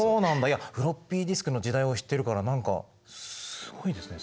いやフロッピーディスクの時代を知ってるから何かすごいですね